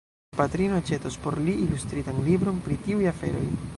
Patrino aĉetos por li ilustritan libron pri tiuj aferoj.